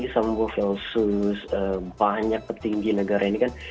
sambu versus banyak petinggi negara ini kan